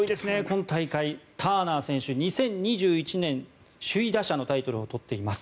今大会、ターナー選手２０２１年首位打者のタイトルを取っています。